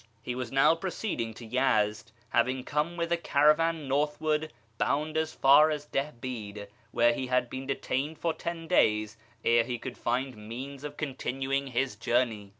He was now proceeding to Yezd, having come with a caravan northward bound as far as Dihbid, where he had been detained for ten days ere he could find means of con tinuing his journey.